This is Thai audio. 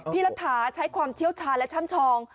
รัฐาใช้ความเชี่ยวชาญและช่ำชอง